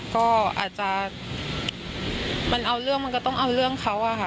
ก็อาจจะมันเอาเรื่องมันก็ต้องเอาเรื่องเขาอะค่ะ